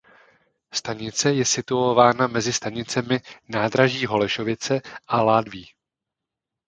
Stanice je situována mezi stanicemi Nádraží Holešovice a Ládví.